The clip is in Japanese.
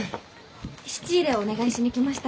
質入れをお願いしに来ました。